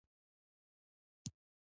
خلاصه کېداى شي